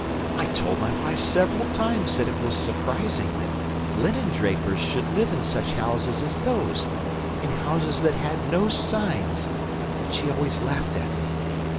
I told my wife several times that it was surprising that linen drapers should live in such houses as those, in houses that had no signs; but she always laughed at me.